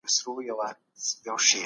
زه لا ډېر هڅه کوم.